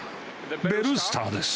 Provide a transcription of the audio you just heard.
ベルスターです。